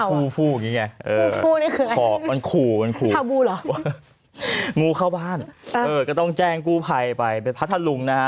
มีเสียงงูเผา